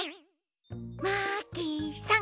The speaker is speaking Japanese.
マーキーさん！